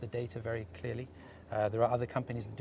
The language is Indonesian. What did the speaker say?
tidak terlalu sulit untuk melihat